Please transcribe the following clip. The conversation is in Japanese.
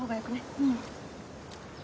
うん。